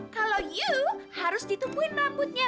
kalo you harus ditumpuin rambutnya